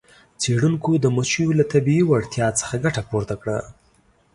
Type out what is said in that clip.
څیړونکو د مچیو له طبیعي وړتیا څخه ګټه پورته کړه.